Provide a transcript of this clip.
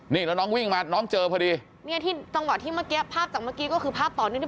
นี่แล้วน้องวิ่งมาน้องเจอพอดีเนี่ยที่จังหวะที่เมื่อกี้ภาพจากเมื่อกี้ก็คือภาพต่อเนื่องที่